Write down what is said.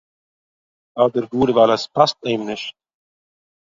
אדער גאר ווייל עס פאסט אים נישט